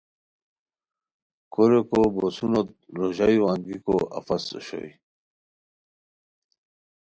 کوریکو بوسونوت روژایو انگیکو افس اوشوئے